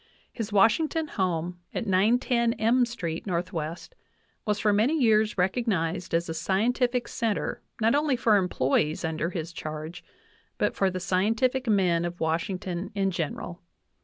His Washington home at 910 M street N. W. was for many years recognized as a scientific center not only for employees under his charge, but for the scientific men of Washington in general.